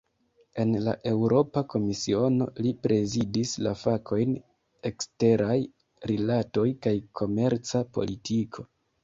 En la Eŭropa Komisiono, li prezidis la fakojn "eksteraj rilatoj kaj komerca politiko".